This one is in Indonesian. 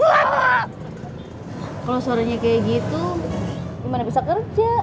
kalau suaranya kayak gitu gimana bisa kerja